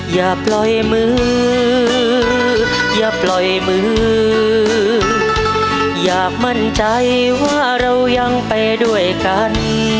อย่าปล่อยมืออย่าปล่อยมืออย่ามั่นใจว่าเรายังไปด้วยกัน